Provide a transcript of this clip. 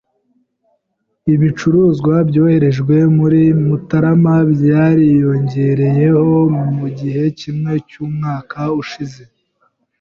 Ibicuruzwa byoherejwe muri Mutarama byariyongereyeho % mu gihe kimwe cy'umwaka ushize.